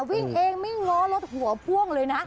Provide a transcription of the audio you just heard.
วิ่งเองไม่ง้อรถหัวพ่วงเลยนะ